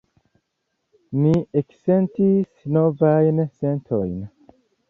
Ni eksentis novajn sentojn.